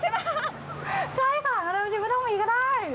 เพราะว่าเรามีใช่มะ